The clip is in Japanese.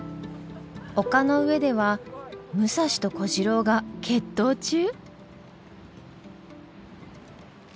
丘の上では武蔵と小次郎が決闘中！？